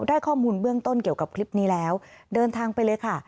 ได้ข้อมูลเบื้องต้นเกี่ยวกับคลิปนี้แล้วเดินทางไปเลยค่ะ